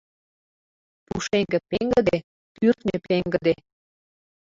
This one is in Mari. — Пушеҥге пеҥгыде, кӱртньӧ пеҥгыде!..